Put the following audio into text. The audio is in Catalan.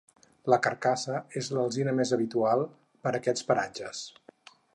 La carrasca és l'alzina més habitual per aquests paratges.